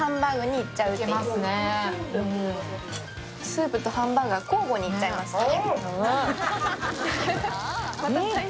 スープとハンバーガー交互にいっちゃえますね。